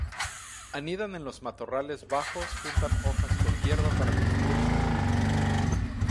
Anidan en los matorrales bajos, juntan hojas con hierba para construir su nido.